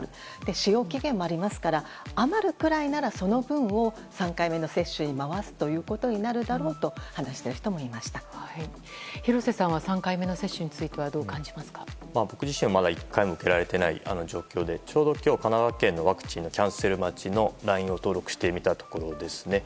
使用期限もありますから余るぐらいならその分を３回目の接種に回すということになるだろうと廣瀬さんは３回目の接種については僕自身はまだ１回も受けられていない状況でちょうど今日神奈川県のワクチンキャンセル待ちのＬＩＮＥを登録したところですね。